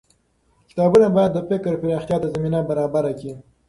کتابونه بايد د فکر پراختيا ته زمينه برابره کړي.